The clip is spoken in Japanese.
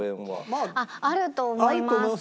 あると思います。